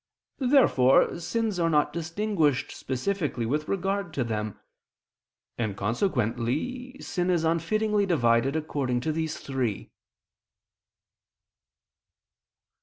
Therefore sins are not distinguished specifically with regard to them: and consequently sin is unfittingly divided according to these three.